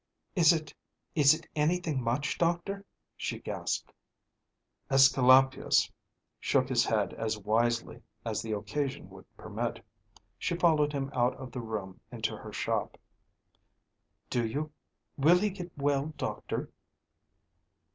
"Is it is it anything much, doctor?" she gasped. AEsculapius shook his head as wisely as the occasion would permit. She followed him out of the room into the shop. "Do you will he get well, doctor?"